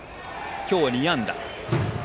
今日２安打。